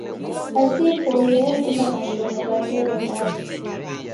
Kazi ipoiye yekunda mashomo gha ngelo ndazi